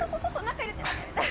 中入れて中入れて。